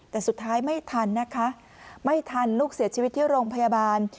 แต่สุดท้ายไม่ทันนะคะไม่ทันลูกเสียชีวิตที่โรงพยาบาล